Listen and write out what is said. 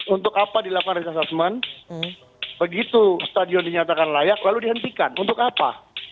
untuk apa dilakukan risk assessment begitu stadion dinyatakan layak lalu dihentikan untuk apa